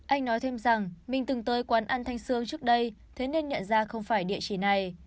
anh nói thêm rằng mình từng tới quán ăn thanh sương trước đây thế nên nhận ra không phải địa chỉ này